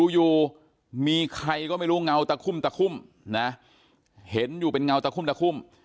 อยู่มีใครก็ไม่รู้เงาตะคุ่มตะคุ่มนะเห็นอยู่เป็นเงาตะคุ่มตะคุ่ม